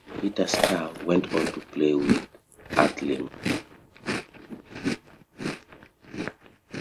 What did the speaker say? Peter Stahl went on to play with Earthlings?